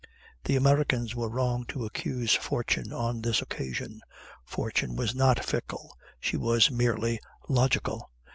The Americans were wrong to accuse fortune on this occasion. Fortune was not fickle, she was merely logical.